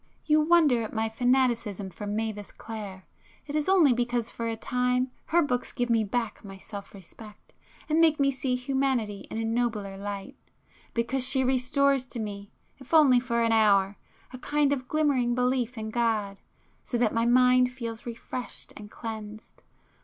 You wonder at my fanaticism for Mavis Clare,—it is only because for a time her books give me back my self respect, and make me see humanity in a nobler light,—because she restores to me, if only for an hour, a kind of glimmering belief in God, so that my mind feels refreshed and cleansed.